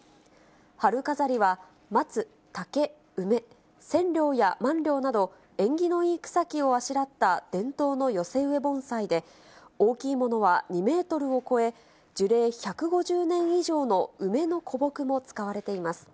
春飾りは松、竹、梅、センリョウやマンリョウなど、縁起のいい草木をあしらった伝統の寄せ植え盆栽で、大きいものは２メートルを超え、樹齢１５０年以上の梅の古木も使われています。